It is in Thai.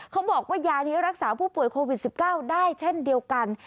เขาบอกว่ายานี้รักษาผู้ป่วยโควิด๑๙ได้เช่นเดียวกัน